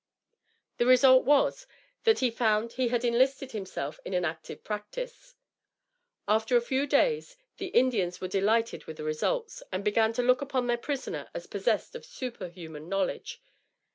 The result was, that he found he had enlisted himself in an active practice. After a few days, the Indians were delighted with the results, and began to look upon their prisoner as possessed of superhuman knowledge.